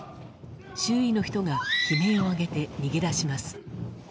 周囲の人が悲鳴を上げて逃げ出します。